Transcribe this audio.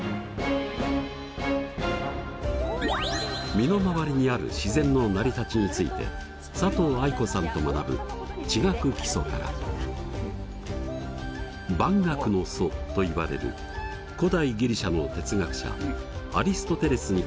身の回りにある自然の成り立ちについて佐藤藍子さんと学ぶ「地学基礎」から万学の祖といわれる古代ギリシアの哲学者アリストテレスに関する問題。